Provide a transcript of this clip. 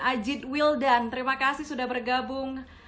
ajit wildan terima kasih sudah bergabung